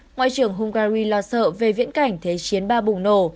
ngoại trưởng hungary lo sợ về viễn cảnh thế chiến ba bùng nổ